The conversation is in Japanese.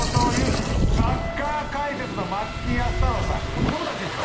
子どもたちですよ。